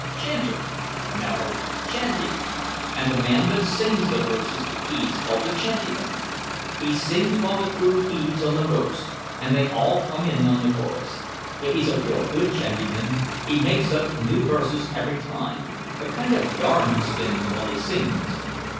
Chanter!" "No chanty. An' the man that sings the verses, he's called the chantyman. He sings while the crew heaves on the ropes an' they all come in on the chorus. If he's a real good chantyman he makes up new verses every time, a kind of a yarn he spins while he sings."